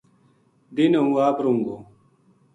دینہا ہوں آپ رہوں گو